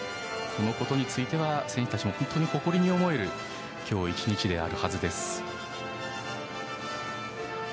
このことについては選手たちも本当に誇りに思える今日１日であるはずです。